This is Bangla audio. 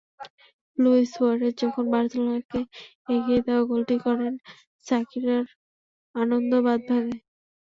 লুইস সুয়ারেস যখন বার্সেলোনাকে এগিয়ে দেওয়া গোলটি করেন, শাকিরার আনন্দ বাধ ভাঙে।